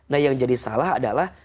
nah yang jadi salah adalah